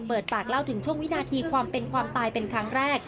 เปิดปากเล่าถึงช่วงวินาทีความเป็นความตายเป็นครั้งแรก